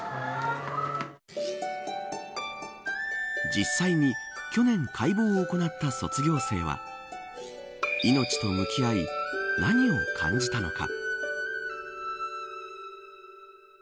実際に去年解剖を行った卒業生は命と向き合い何を感じたのか。